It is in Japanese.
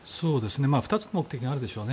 ２つの点があるでしょう。